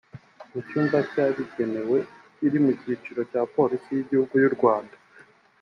mu cyumba cyabigenewe kiri ku cyicaro cya Polisi y’Igihugu y’u Rwanda